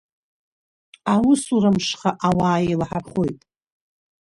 Аусура мшха ауаа еилаҳархоит!